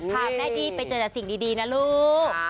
พาแม่ดี้ไปเจอแต่สิ่งดีนะลูก